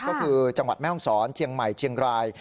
ก็คือจังหวัดแม่ห้องศรเชียงใหม่เชียงราย